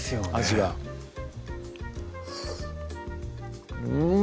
味はうん！